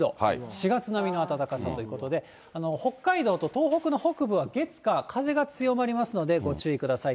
４月並みの暖かさということで、北海道と東北の北部は月、火、風が強まりますので、ご注意ください。